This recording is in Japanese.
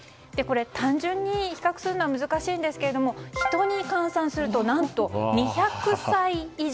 単純に比較するのは難しいんですが人に換算すると何と２００歳以上。